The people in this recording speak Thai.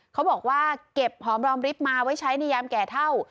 เขาบอกว่าเก็บหอมรอมริบมาไว้ใช้ในยามแก่เท่า